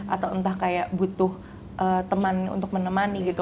atau entah kayak butuh teman untuk menemani gitu